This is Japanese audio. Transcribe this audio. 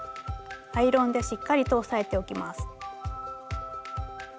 アイロンでしっかりと押さえておきます。